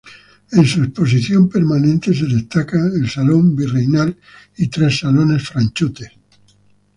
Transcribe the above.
En su exposición permanente se destacan el Salón Virreinal y tres salones franceses.